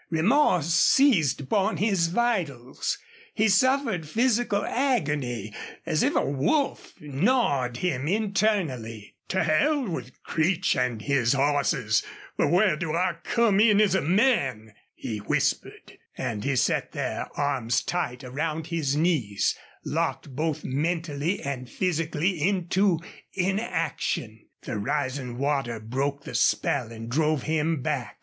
Remorse seized upon his vitals. He suffered physical agony, as if a wolf gnawed him internally. "To hell with Creech an' his hosses, but where do I come in as a man?" he whispered. And he sat there, arms tight around his knees, locked both mentally and physically into inaction. The rising water broke the spell and drove him back.